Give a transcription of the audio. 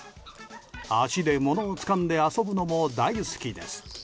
足で物をつかんで遊ぶのも大好きです。